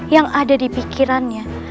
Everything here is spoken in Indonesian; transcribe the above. yang ada di pikirannya